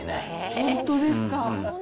本当ですか。